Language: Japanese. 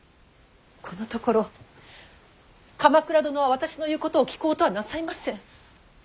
このところ鎌倉殿は私の言うことを聞こうとはなさいません。